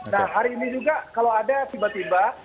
nah hari ini juga kalau ada tiba tiba